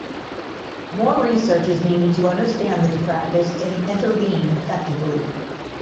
More research is needed to understand this practice and intervene effectively.